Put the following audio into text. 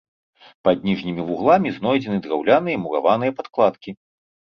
Пад ніжнімі вугламі знойдзены драўляныя і мураваныя падкладкі.